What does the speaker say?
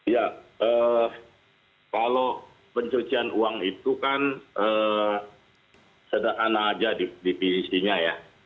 ya kalau pencucian uang itu kan sederhana aja divisinya ya